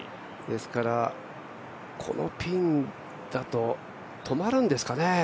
ですからこのピンだと、止まるんですかね。